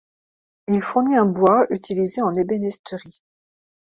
Il fournit un bois utilisé en ébénisterie.